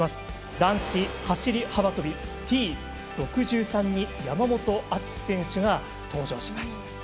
男子はＴ６３に山本篤選手が登場します。